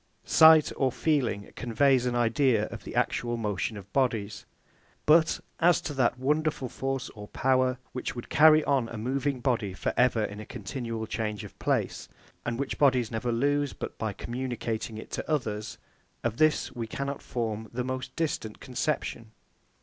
Sight or feeling conveys an idea of the actual motion of bodies; but as to that wonderful force or power, which would carry on a moving body for ever in a continued change of place, and which bodies never lose but by communicating it to others; of this we cannot form the most distant conception.